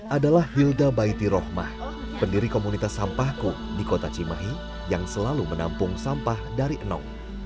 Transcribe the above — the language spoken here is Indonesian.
adalah hilda baiti rohmah pendiri komunitas sampahku di kota cimahi yang selalu menampung sampah dari enong